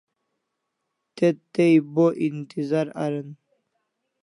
Te tai bo intizar aran